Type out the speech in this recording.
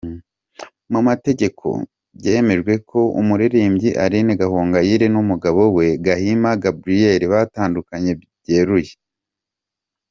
Mu mategeko byemejwe ko umuririmbyi Aline Gahongayire n’umugabo we Gahima Gabriel batandukanye byeruye.